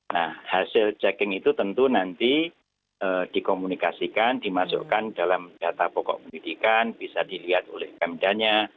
nah hasil checking itu tentu nanti dikomunikasikan dimasukkan dalam data pokok pendidikan bisa dilihat oleh pemdanya